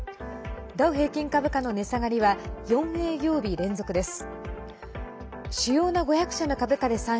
ダウ平均株価の値下がりは４営業日連続です。